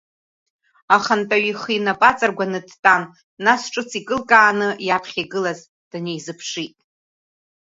Ахантәаҩы ихы инапы аҵыргәаны дтәан, нас ҿыц икылкааны иаԥхьа игылаз днеизыԥшит…